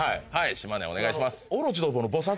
島根お願いします